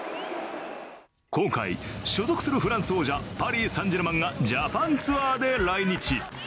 今回、所属するフランス王者パリ・サン＝ジェルマンがジャパンツアーで来日。